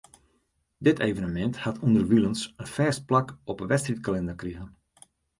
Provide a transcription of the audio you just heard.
Dit evenemint hat ûnderwilens in fêst plak op 'e wedstriidkalinder krigen.